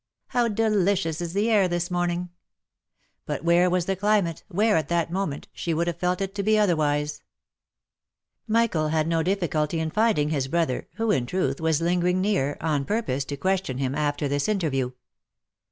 " How delicious is the air this morning 1" But where was the climate, where, at that moment, she would have felt it to be otherwise ? Michael had no difficulty in finding his brother, who in truth was lingering near, on purpose to question him after this interview.